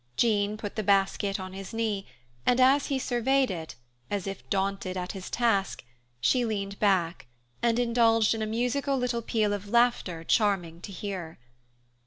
Jean put the basket on his knee, and as he surveyed it, as if daunted at his task, she leaned back, and indulged in a musical little peal of laughter charming to hear.